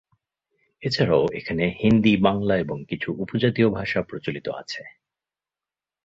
এছাড়াও এখানে হিন্দি, বাংলা এবং কিছু উপজাতীয় ভাষা প্রচলিত আছে।